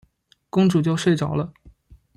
公主就睡着了。